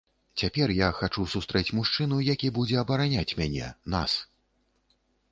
Цяпер я хачу сустрэць мужчыну, які будзе абараняць мяне, нас.